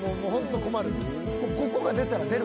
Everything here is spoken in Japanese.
ここが出たら出る。